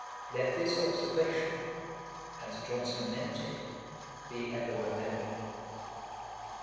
Let this observation, as Johnson meant it, be ever remembered.